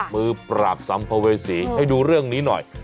มือปราบสัมภเวษีให้ดูเรื่องนี้หน่อย